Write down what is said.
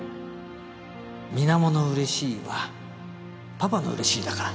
水面の嬉しいはパパの嬉しいだから